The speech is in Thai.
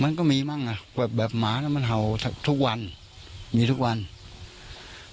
มันก็มีมั้งอ่ะแบบแบบแบบห่าวมันเห่าทักทุกวันมีทุกวันน่ะ